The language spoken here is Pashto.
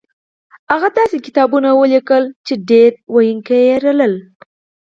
هغه داسې کتابونه ولیکل چې ډېر لوستونکي یې لرل